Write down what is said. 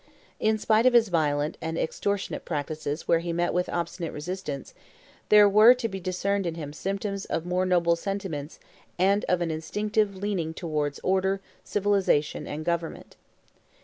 In spite of his violent and extortionate practices where he met with obstinate resistance, there were to be discerned in him symptoms of more noble sentiments and of an instinctive leaning towards order, civilization, and government.